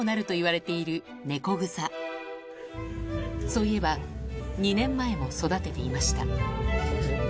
そういえば２年前も育てていました